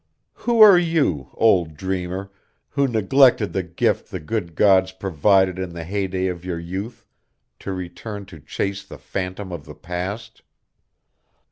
Who are you, old dreamer, who neglected the gift the good gods provided in the heydey of your youth to return to chase the phantom of the past?